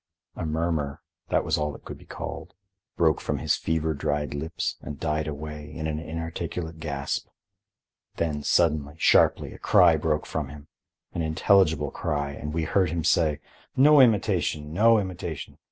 A murmur—that was all it could be called—broke from his fever dried lips and died away in an inarticulate gasp. Then, suddenly, sharply, a cry broke from him, an intelligible cry, and we heard him say: "No imitation! no imitation!